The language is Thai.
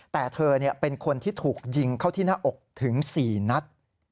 แต่เธอเป็นคนที่ถูกยิงเข้าที่หน้าอกถึง๔นัด